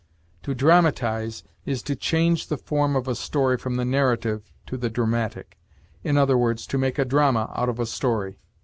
To dramatize is to change the form of a story from the narrative to the dramatic; i. e., to make a drama out of a story.